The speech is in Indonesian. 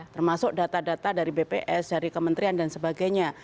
termasuk data data dari bps dari kementerian dan sebagainya